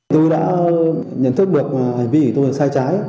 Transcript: tôi đã nhận thức được hành vi của tôi là sai trái